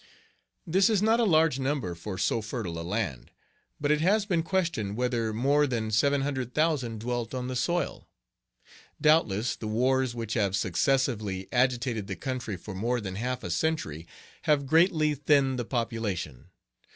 This is not a large number for so fertile a land. But it has been questioned whether more than 700,000 dwelt on the soil. Doubtless, the wars which have successively agitated the country for more than half a century have greatly thinned the population.